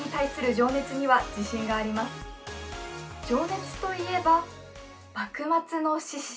情熱といえば、幕末の志士。